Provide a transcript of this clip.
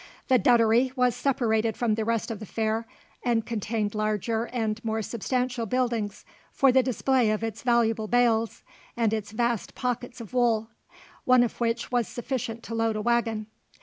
The "Duddery" was separated from the rest of the fair, and contained larger and more substantial buildings for the display of its valuable bales and its vast pockets of wool, one of which was sufficient to load a waggon.